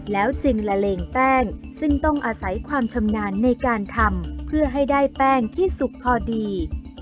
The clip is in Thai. แล้วจึงละเลงแป้งซึ่งต้องอาศัยความชำนาญในการทำเพื่อให้ได้แป้งที่สุกพอดี